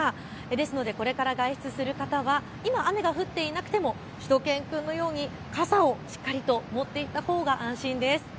ですのでこれから外出する方は今、雨が降っていなくてもしゅと犬くんのように傘をしっかりと持っていたほうが安心です。